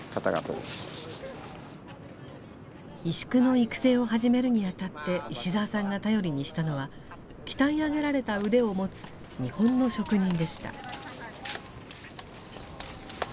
石工の育成を始めるにあたって石澤さんが頼りにしたのは鍛え上げられた腕を持つ日本の職人でした。